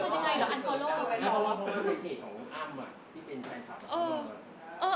เพราะว่าเพราะว่าเป็นเหตุของอัมว่ะ